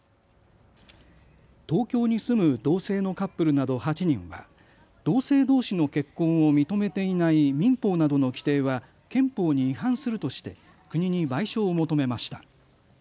東京に住む同性のカップルなど８人は同性どうしの結婚を認めていない民法などの規定は憲法に違反するとして国に賠償を求めました。